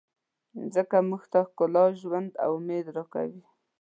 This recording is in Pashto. مځکه موږ ته ښکلا، ژوند او امید راکوي.